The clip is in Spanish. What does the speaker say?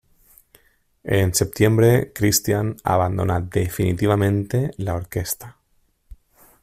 En setiembre Christian abandona definitivamente la orquesta.